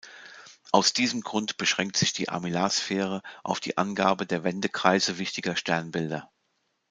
Aus diesem Grund beschränkt sich die Armillarsphäre auf die Angabe der Wendekreise wichtiger Sternbilder.